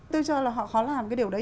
tôi cho là họ khó làm cái điều đấy